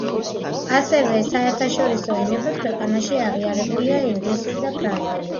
ასევე საერთაშორის ენებად ქვეყანაში აღიარებულია ინგლისური და ფრანგული.